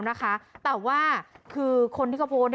แต่ว่าคือคนที่เขาโพสต์